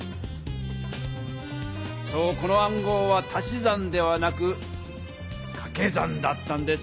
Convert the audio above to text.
そうこの暗号は足し算ではなくかけ算だったんです。